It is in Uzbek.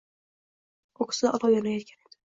Ko’ksida olov yonayotgan edi.